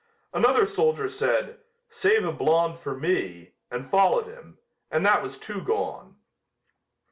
Another soldier said: 'Save a "blonde" for me,' and followed him, and that was two gone.